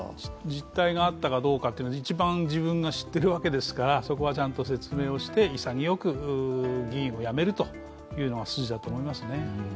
実態があったかどうか、一番自分が知っているわけですから、そこはちゃんと説明をして、潔く議員を辞めるというのが筋だと思いますね。